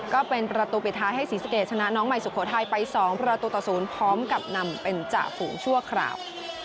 ก็เป็นประตูปิดท้ายให้ศรีสะเกดชนะน้องใหม่สุโขทัยไป๒ประตูต่อ๐พร้อมกับนำเป็นจ่าฝูงชั่วคราว